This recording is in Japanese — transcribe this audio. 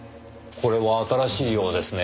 これは新しいようですね。